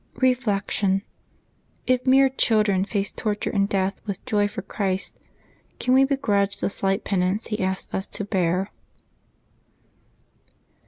Reflection. — If mere children face torture and death with joy for Christ, can we begrudge the slight penance He asks us to bear